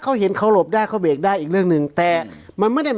เขาเห็นเขาหลบได้เขาเบรกได้อีกเรื่องหนึ่งแต่มันไม่ได้